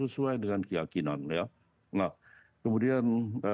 sesuai dengan keyakinan ya nah kemudian